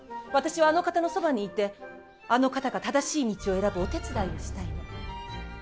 私はあの方のそばにいてあの方が正しい道を選ぶお手伝いをしたいの。